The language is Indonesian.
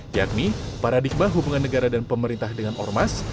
yakni paradigma hubungan negara dan pemerintah dengan ormas